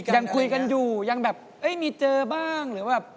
ยังคุยกันอยู่ยังแบบมีเจอบ้าง